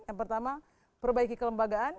yang pertama perbaiki kelembagaan